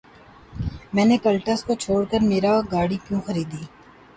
میں نے کلٹس کو چھوڑ کر میرا گاڑی کیوں خریدی